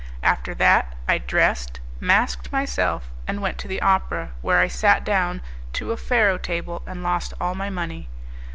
After that, I dressed, masked myself, and went to the opera, where I sat down to a faro table and lost all my money.